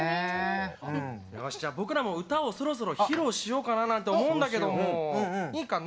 よしじゃあ僕らも歌をそろそろ披露しようかななんて思うんだけどもいいかな？